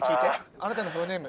あなたのフルネーム。